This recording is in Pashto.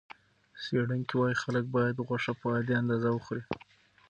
څېړونکي وايي خلک باید غوښه په عادي اندازه وخوري.